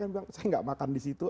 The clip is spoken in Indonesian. saya tidak makan di situ